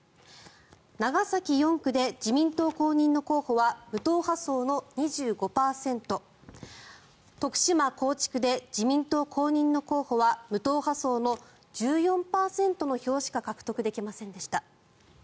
長崎４区で自民党公認の候補は無党派層の２５％徳島・高知区で自民党公認の候補は無党派層の１４％の票しか獲得できませんでした。